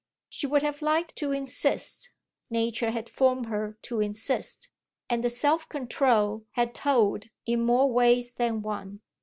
She would have liked to insist, nature had formed her to insist, and the self control had told in more ways than one.